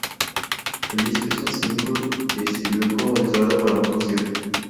El disco es un single que sirvió como entrada para un concierto.